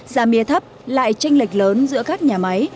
giá mía thấp lại tranh lệch lớn giữa các nhà máy